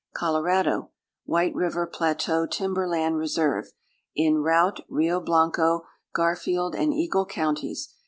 COLORADO. =White River Plateau Timber Land Reserve.= In Routt, Rio Blanco, Garfield, and Eagle counties.